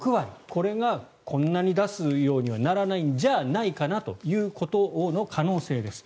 これがこんなに出すようにはならないんじゃないかなということの可能性です。